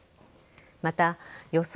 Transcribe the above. また、予想